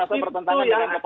itu yang akan